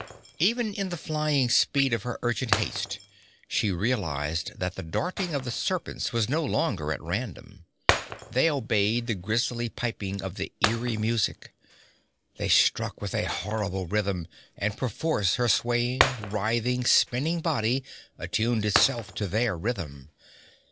Even in the flying speed of her urgent haste she realized that the darting of the serpents was no longer at random. They obeyed the grisly piping of the eery music. They struck with a horrible rhythm, and perforce her swaying, writhing, spinning body attuned itself to their rhythm.